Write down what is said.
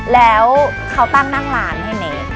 แล้วเขาตั้งนั่งร้านให้เนก